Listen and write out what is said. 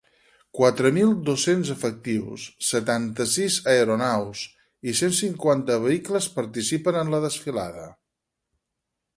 Quatre mil dos-cents efectius, setanta-sis aeronaus i cent cinquanta vehicles participen en la desfilada.